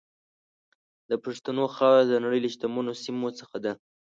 د پښتنو خاوره د نړۍ له شتمنو سیمو څخه ده.